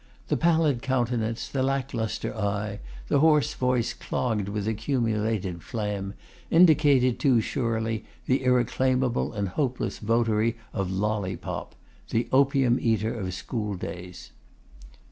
The pallid countenance, the lacklustre eye, the hoarse voice clogged with accumulated phlegm, indicated too surely the irreclaimable and hopeless votary of lollypop, the opium eater of schoolboys.